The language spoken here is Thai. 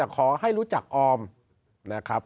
ขอให้รู้จักออมนะครับ